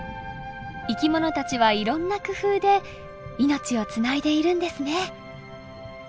生きものたちはいろんな工夫で命をつないでいるんですね。